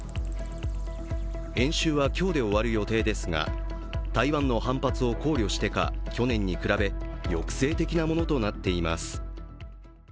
演習は今日で終わる予定ですが、台湾の反発を考慮してか去年に比べ、抑制的なものになっています。